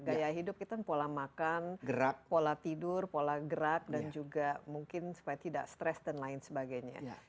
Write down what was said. gaya hidup kita pola makan pola tidur pola gerak dan juga mungkin supaya tidak stres dan lain sebagainya